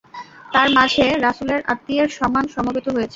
তাঁর মাঝে রাসূলের আত্মীয়ের সম্মান সমবেত হয়েছে।